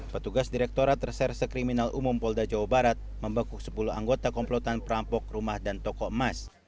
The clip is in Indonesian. petugas direkturat reserse kriminal umum polda jawa barat membekuk sepuluh anggota komplotan perampok rumah dan toko emas